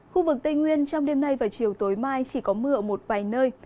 khu vực tây nguyên trong đêm nay và chiều tối mai chỉ có mưa ở một vài nơi